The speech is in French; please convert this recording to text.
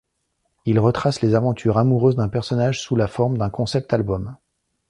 Il retrace les aventures amoureuses d'un personnage sous la forme d'un concept album.